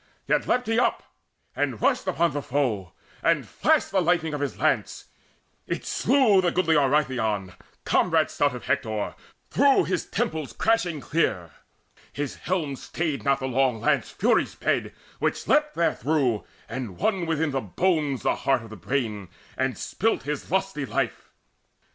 Yet leapt he up, and rushed upon the foe, And flashed the lightning of his lance; it slew The goodly Orythaon, comrade stout Of Hector, through his temples crashing clear: His helm stayed not the long lance fury sped Which leapt therethrough, and won within the bones The heart of the brain, and spilt his lusty life.